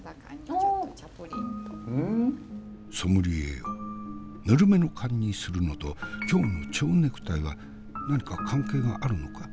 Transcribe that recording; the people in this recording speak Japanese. ソムリエよぬるめの燗にするのと今日の蝶ネクタイは何か関係があるのか？